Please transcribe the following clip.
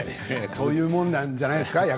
そういうものなんじゃないですか？